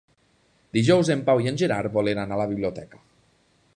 Dijous en Pau i en Gerard volen anar a la biblioteca.